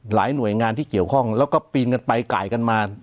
หน่วยงานที่เกี่ยวข้องแล้วก็ปีนกันไปไก่กันมา